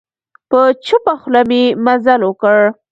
په چوپه خوله مي مزل وکړ .